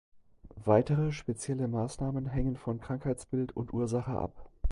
Weitere, spezielle Maßnahmen hängen von Krankheitsbild und Ursache ab.